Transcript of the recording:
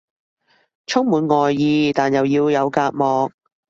充滿愛意但又要有隔膜